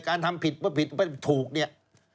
การทำผิดว่าผิดไม่ถูกเนี่ย